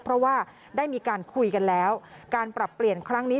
เพราะว่าได้มีการคุยกันแล้วการปรับเปลี่ยนครั้งนี้